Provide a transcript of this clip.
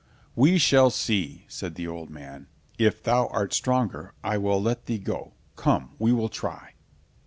"We shall see," said the old man. "If thou art stronger, I will let thee go—come, we will try."